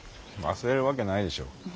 忘れるわけないでしょ。